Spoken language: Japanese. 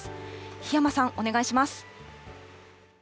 檜山さん、お願いします。